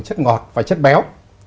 chất ngọt và chất béo